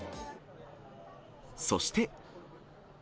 そして。